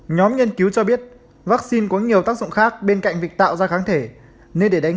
nhóm nghiên cứu cho biết vaccine có nhiều tác dụng khác bên cạnh việc tạo ra kháng thể nên để đánh